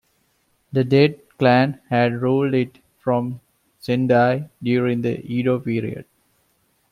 The Date clan had ruled it from Sendai during the Edo period.